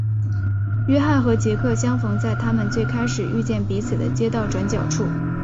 约翰和杰克相逢在他们最开始遇见彼此的街道转角处。